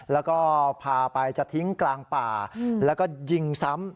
แล้วก็พาไปจะทิ้งกลางป่าแล้วก็ยิงซ้ำ